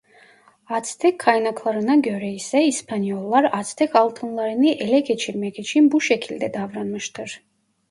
Aztek kaynaklarına göre ise İspanyollar Aztek altınlarını ele geçirmek için bu şekilde davranmıştır.